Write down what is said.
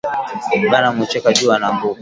Bana mucheka ju anaanguka